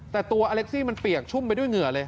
แต่ตัวอเล็กซี่มันเปียกชุ่มไปด้วยเหงื่อเลย